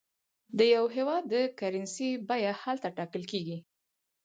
د یو هېواد د کرنسۍ بیه هلته ټاکل کېږي.